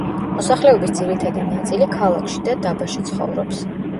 მოსახლეობის ძირითადი ნაწილი ქალაქში და დაბაში ცხოვრობს.